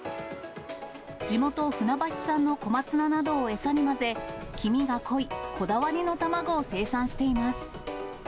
地元、船橋産の小松菜などを餌に混ぜ、黄身が濃いこだわりの卵を生産しています。